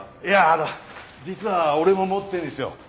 いやあのう実は俺も持ってるんすよ。